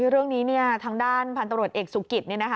เรื่องนี้ทางด้านพันธุ์ตำรวจเอกสุกิต